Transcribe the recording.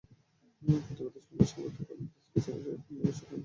প্রতিবাদ সমাবেশে সভাপতিত্ব করেন পিসিপির চট্টগ্রাম নগর শাখার সাধারণ সম্পাদক জিকো চাকমা।